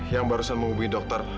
yang barusan menghubungi dokter